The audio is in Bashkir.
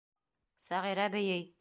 Сәғирә бейей.